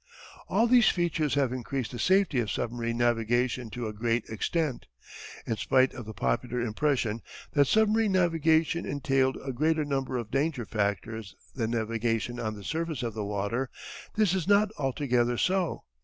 All these features have increased the safety of submarine navigation to a great extent. In spite of the popular impression that submarine navigation entailed a greater number of danger factors than navigation on the surface of the water, this is not altogether so.